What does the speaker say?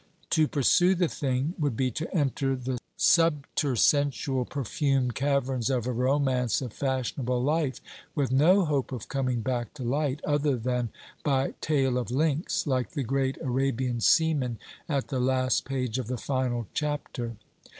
To pursue the thing, would be to enter the subter sensual perfumed caverns of a Romance of Fashionable Life, with no hope of coming back to light, other than by tail of lynx, like the great Arabian seaman, at the last page of the final chapter.